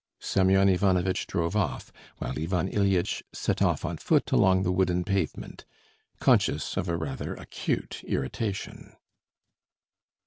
_" Semyon Ivanovitch drove off, while Ivan Ilyitch set off on foot along the wooden pavement, conscious of a rather acute irritation.